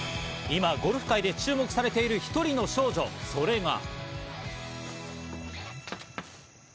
今ゴルフ界で注目されている１人の少女、それが。